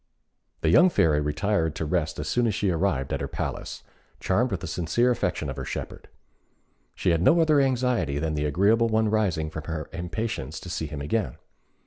The young Fairy retired to rest as soon as she arrived at her palace, charmed with the sincere affection of her shepherd. She had no other anxiety than the agreeable one arising from her impatience to see him again.